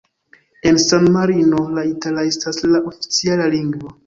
En San-Marino la itala estas la oficiala lingvo.